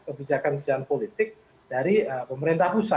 kebijakan kebijakan politik dari pemerintah pusat